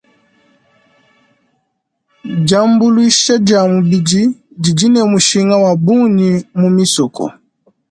Diambuluisha dia mubidi didi ne mushinga wa bungi mu misoko.